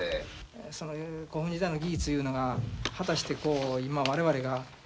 古墳時代の技術いうのが果たしてこう今我々が。